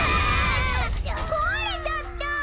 こわれちゃった！